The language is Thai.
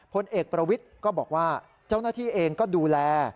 พลเอกประวิทย์ก็บอกว่าเจ้าหน้าที่เองก็ดูแล